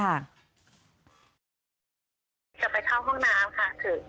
เห็นคุณหมอก็แค่นั้นนะคะ